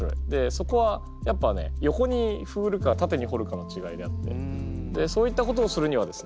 そこはやっぱね横に振るか縦に掘るかの違いであってそういったことをするにはですね